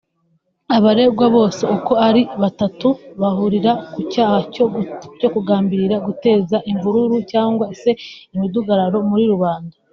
Abaregwa bose uko ari batatu bahurira ku cyaha cyo kugambirira guteza imvururu cyangwa se imidugararo muri rubanda